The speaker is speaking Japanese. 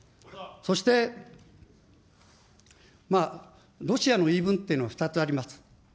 そして、ロシアの言い分っていうのは２つあります。